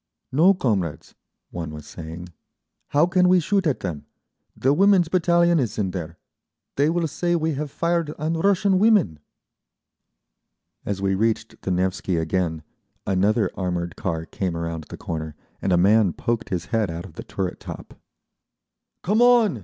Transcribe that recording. "No, comrades," one was saying. "How can we shoot at them? The Women's Battalion is in there—they will say we have fired on Russian women." As we reached the Nevsky again another armoured car came around the corner, and a man poked his head out of the turret top. "Come on!"